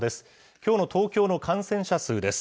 きょうの東京の感染者数です。